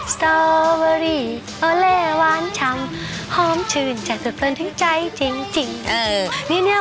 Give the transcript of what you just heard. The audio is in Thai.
สตอเบอร์รี่โอเล่หวานชำหอมชื่นจากสุดเป็นที่ใจจริง